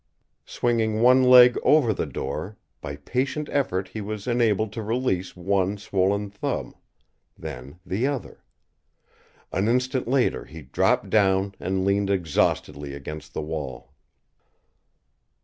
Swinging one leg over the door, by patient effort he was enabled to release one swollen thumb, then the other. An instant later he dropped down and leaned exhaustedly against the wall.